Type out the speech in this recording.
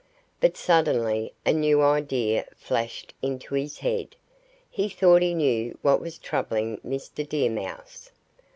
But suddenly a new idea flashed into his head. He thought he knew what was troubling Mr. Deer Mouse.